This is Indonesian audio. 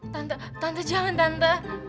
tante tante jangan tante